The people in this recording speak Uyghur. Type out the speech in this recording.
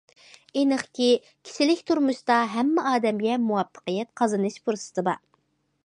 ئېنىقكى، كىشىلىك تۇرمۇشتا ھەممە ئادەمگە مۇۋەپپەقىيەت قازىنىش پۇرسىتى بار.